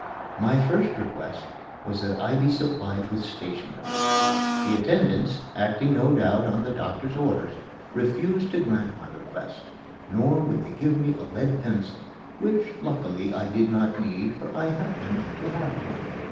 My first request was that I be supplied with stationery. The attendants, acting no doubt on the doctor's orders, refused to grant my request; nor would they give me a lead pencil which, luckily, I did not need, for I happened to have one.